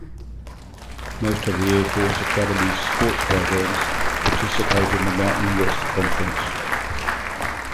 Most of the Air Force Academy's sports programs participate in the Mountain West Conference.